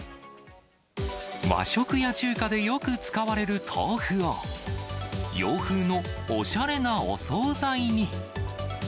和食や中華でよく使われる豆腐を、洋風のおしゃれなお総菜に。